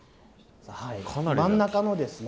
真ん中のですね。